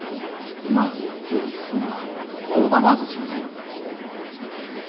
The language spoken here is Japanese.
今人員整理進めな工場がもちません。